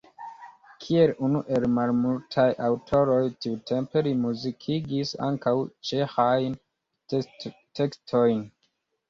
Kiel unu el malmultaj aŭtoroj tiutempe li muzikigis ankaŭ ĉeĥajn tekstojn.